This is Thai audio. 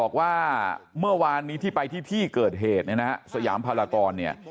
บอกว่าเมื่อวานนี้ที่ไปที่ที่เกิดเหตุนะสยามพาลากร